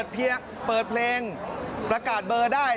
เปิดเพลงประกาศเบอร์ได้